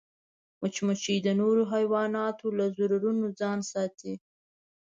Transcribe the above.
مچمچۍ د نورو حیواناتو له ضررونو ځان ساتي